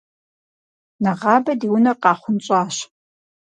Нэгъабэ ди унэр къахъунщӏащ.